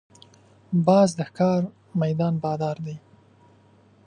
باز د ښکار میدان بادار دی